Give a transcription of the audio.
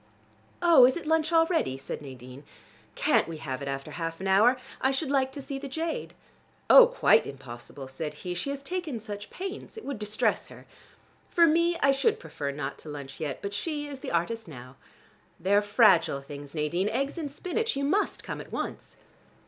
"Oh, is it lunch already?" said Nadine. "Can't we have it after half an hour? I should like to see the jade." "Oh, quite impossible," said he. "She has taken such pains. It would distress her. For me, I should prefer not to lunch yet, but she is the artist now. They are fragile things, Nadine, eggs in spinach. You must come at once."